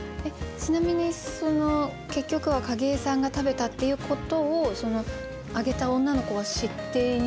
ちなみに結局は景井さんが食べたっていうことをそのあげた女の子は知っているんですか？